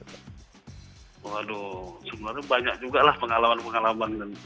waduh sebenarnya banyak juga lah pengalaman pengalaman